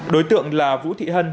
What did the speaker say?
đối tượng là vũ thị hân